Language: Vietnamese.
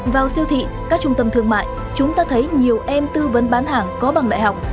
vào siêu thị các trung tâm thương mại chúng ta thấy nhiều em tư vấn bán hàng có bằng đại học